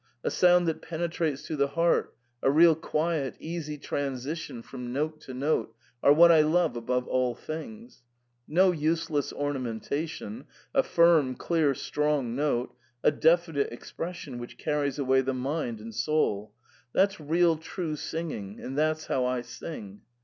A sound that penetrates to the heart, a real quiet, easy transition from note to note, are what I love above all things. No useless ornamentation— a firm, clear, strong note — a definite expression, which carries away the mind and soul — that's real true singing, and that's how I sing.